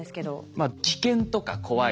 まあ危険とか怖い。